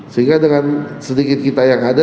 sehingga dengan sedikit kita yang ada